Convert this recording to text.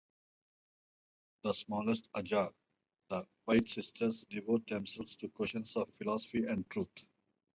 The smallest Ajah, the White Sisters devote themselves to questions of philosophy and truth.